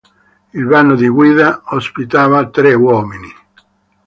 Il vano di guida ospitava tre uomini.